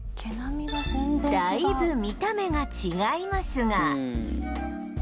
だいぶ見た目が違いますが